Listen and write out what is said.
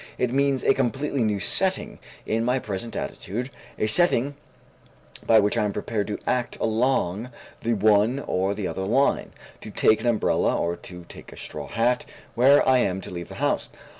It means a completely new setting in my present attitude, a setting by which I am prepared to act along the one or the other line, to take an umbrella or to take a straw hat, when I am to leave the house.